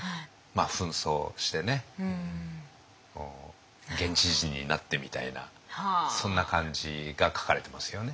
ふん装してね現地人になってみたいなそんな感じが書かれてますよね。